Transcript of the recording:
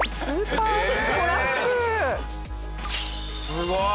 すごい！